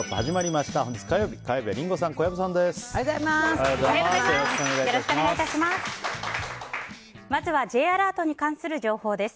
まずはＪアラートに関する情報です。